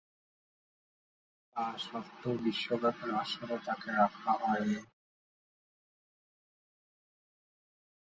তাসত্ত্বেও বিশ্বকাপের আসরে তাকে রাখা হয়নি।